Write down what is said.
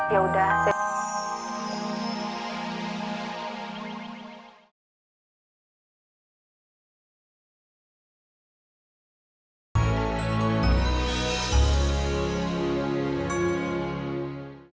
ya udah teh